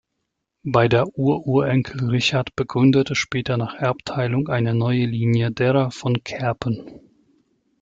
Beider Ururenkel Richard begründete später nach Erbteilung eine neue Linie derer von Kerpen.